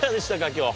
今日。